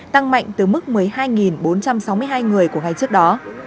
tăng mạnh từ mức một mươi hai bốn trăm sáu mươi hai người của ngày trước đó